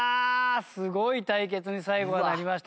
すごい対決に最後はなりましたね。